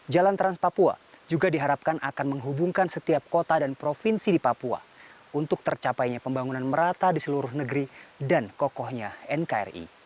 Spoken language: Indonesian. jalan trans papua juga diharapkan akan menghubungkan setiap kota dan provinsi di papua untuk tercapainya pembangunan merata di seluruh negeri dan kokohnya nkri